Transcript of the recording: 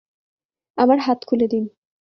আমার হাত খুলে দিন।